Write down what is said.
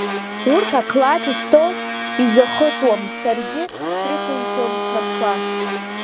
Урҭ аклаҭ изҭоу изахыҵуам, саргьы срықәиҭым снапқәа.